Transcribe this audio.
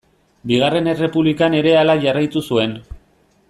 Bigarren Errepublikan ere hala jarraitu zuen.